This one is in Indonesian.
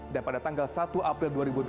dan pada tanggal satu april dua ribu dua puluh